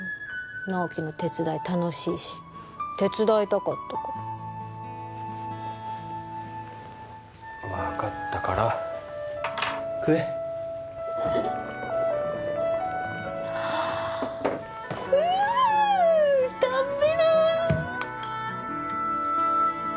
直木の手伝い楽しいし手伝いたかったから分かったから食えう食べる！